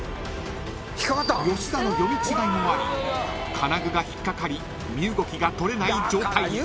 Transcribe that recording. ［吉田の読み違いもあり金具が引っ掛かり身動きが取れない状態に］